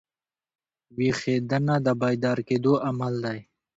ویښېدنه د بیدار کېدو عمل دئ.